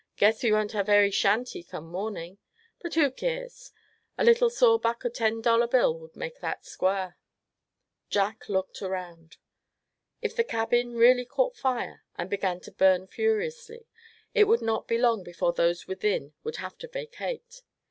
Guess we won't hev airy shanty, come morning. But who keers. A little saw buck o' a ten dollar bill wud make that squar." Jack looked around. If the cabin really caught fire, and began to burn furiously, it would not be long before those within would have to vacate.